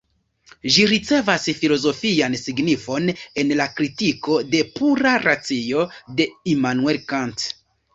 Ĝi ricevas filozofian signifon en la Kritiko de Pura Racio de Immanuel Kant.